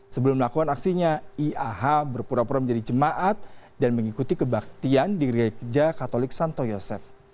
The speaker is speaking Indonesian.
sebelum melakukan aksinya iah berpura pura menjadi jemaat dan mengikuti kebaktian di gereja katolik santo yosef